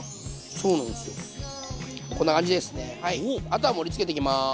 あとは盛りつけていきます。